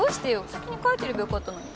先に帰ってればよかったのに。